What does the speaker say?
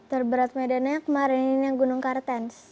terberat medannya kemarin ini yang gunung kartens